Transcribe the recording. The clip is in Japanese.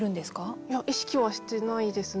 いや意識はしてないですね。